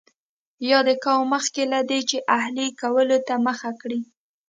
یاد قوم مخکې له دې چې اهلي کولو ته مخه کړي.